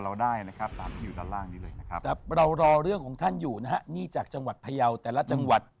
เอาละครับและนี่ก็คือเรื่องราวไม่เชื่อลบหลู่